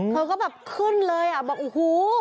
เขาก็แบบขึ้นเลยอะบอกอูหู